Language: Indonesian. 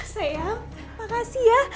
sayang makasih ya